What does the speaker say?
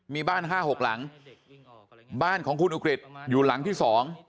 มีบ้านห้าหกหลังบ้านของคุณอุกฤษอยู่หลังที่สอง